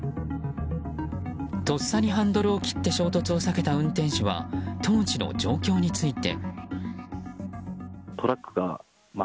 とっさにハンドルを切って衝突を避けた運転手は当時の状況について。